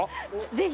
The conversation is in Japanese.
ぜひ！